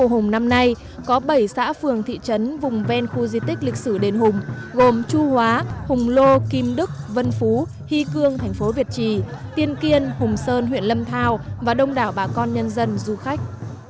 hãy đăng ký kênh để nhận thông tin nhất